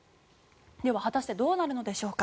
では、果たしてどうなるのでしょうか。